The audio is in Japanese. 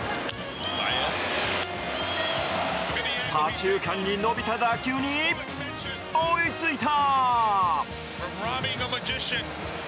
左中間に伸びた打球に追いついた！